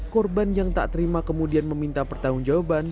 korban yang tak terima kemudian meminta pertanggung jawaban